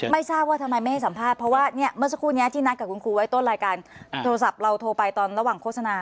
ไม่ทราบว่าทำไมไม่ให้สัมภาษณ์เพราะว่าเนี่ยเมื่อสักครู่นี้ที่นัดกับคุณครูไว้ต้นรายการโทรศัพท์เราโทรไปตอนระหว่างโฆษณา